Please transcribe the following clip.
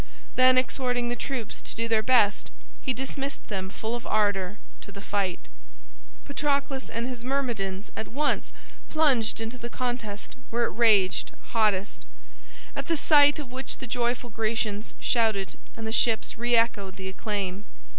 Then exhorting the troops to do their best he dismissed them full of ardor to the fight. Patroclus and his Myrmidons at once plunged into the contest where it raged hottest; at the sight of which the joyful Grecians shouted and the ships reechoed the acclaim.